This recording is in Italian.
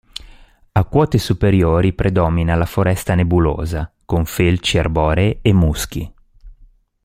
A quote superiori predomina la foresta nebulosa, con felci arboree e muschi.